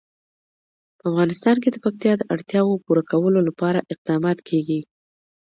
په افغانستان کې د پکتیا د اړتیاوو پوره کولو لپاره اقدامات کېږي.